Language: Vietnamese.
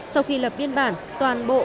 sau khi lập biên tập công an đã tìm ra